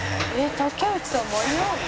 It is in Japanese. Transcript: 「竹内さん間に合う？」